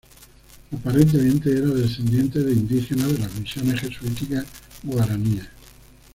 Aparentemente era descendiente de indígenas de las misiones jesuíticas guaraníes.